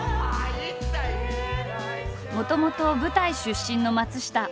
もともと舞台出身の松下。